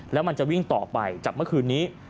แล้วมันจะวิ่งต่อไปจากเมื่อคืนนี้